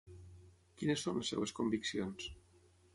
Quines són les seves conviccions?